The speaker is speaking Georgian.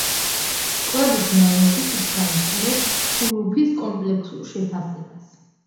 კვების ნორმები ითვალისწინებს ულუფის კომპლექსურ შეფასებას.